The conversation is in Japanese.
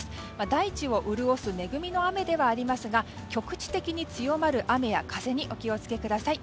大地を潤す恵みの雨ではありますが局地的に強まる雨や風にお気を付けください。